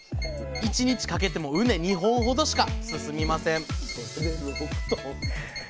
１日かけても畝２本ほどしか進みません